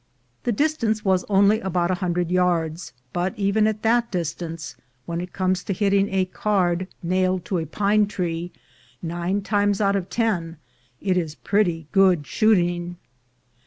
The distance was only about a hundred yards, but even at that distance, when it comes to hitting a card nailed to a pine tree nine times out of ten, it is pretty good shooting.